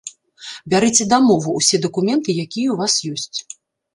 Бярыце дамову, усе дакументы, якія ў вас ёсць.